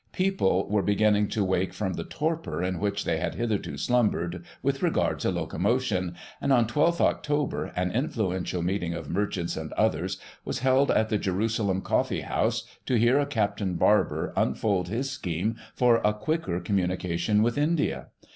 People were beginning to wake from the torpor in which they had hitherto slumbered, with regard to locomotion, and on 1 2th October an influential meeting of merchants and others was held at the Jerusalem Coffee House to hear a Captain Barber unfold his scheme for a quicker communi cation with India.